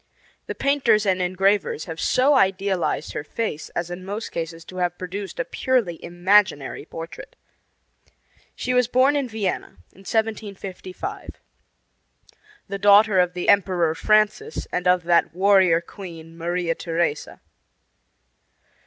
The painters and engravers have so idealized her face as in most cases to have produced a purely imaginary portrait. She was born in Vienna, in 1755, the daughter of the Emperor Francis and of that warrior queen, Maria Theresa.